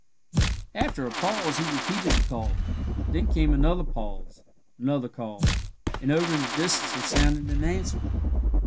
After a pause he repeated the call; then came another pause, another call, and over in the distance there sounded an answer.